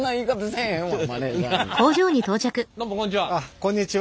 こんにちは。